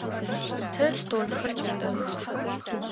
Тэ столхэр тиӏэх.